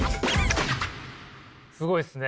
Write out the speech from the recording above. すごいっすね。